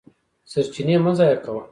سرچینې مه ضایع کوه.